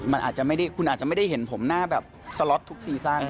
คุณอาจจะไม่ได้เห็นผมหน้าแบบสล็อตทุกซีซั่ง